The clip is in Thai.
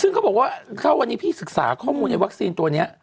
ซึ่งเขาบอกว่าถ้าวันนี้พี่ศึกษาข้อมูลในวัคซีนตัวนี้